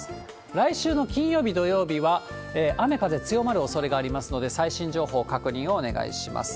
来週の金曜日、土曜日は、雨風強まるおそれがありますので、最新情報、確認をお願いします。